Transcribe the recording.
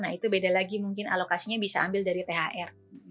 nah itu beda lagi mungkin alokasinya bisa ambil dari thr